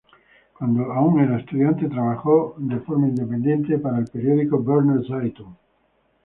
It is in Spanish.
Cuando aún era estudiante trabajó de forma independiente para el periódico "Berner Zeitung".